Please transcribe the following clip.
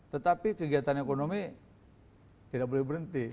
tetapi kegiatan ekonomi tidak boleh berhenti